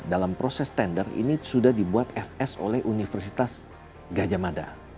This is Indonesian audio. dalam proses tender ini sudah dibuat fs oleh universitas gajah mada